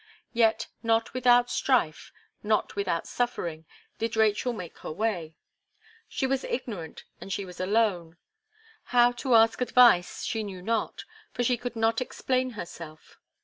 Yet, not without strife, not without suffering, did Rachel make her way. She was ignorant, and she was alone; how to ask advice she knew not, for she could not explain herself.